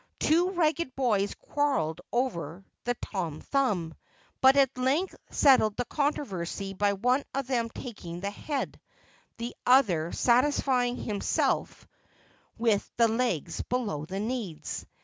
Two ragged boys quarrelled over the Tom Thumb, but at length settled the controversy by one of them taking the head, the other satisfying himself with the legs below the knees.